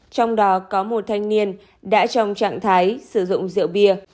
trong đó có một thanh niên đã trong trạng thái sử dụng rượu bia